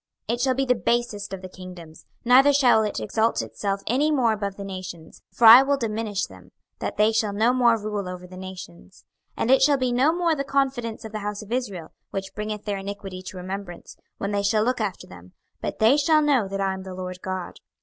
26:029:015 It shall be the basest of the kingdoms; neither shall it exalt itself any more above the nations: for I will diminish them, that they shall no more rule over the nations. 26:029:016 And it shall be no more the confidence of the house of Israel, which bringeth their iniquity to remembrance, when they shall look after them: but they shall know that I am the Lord GOD.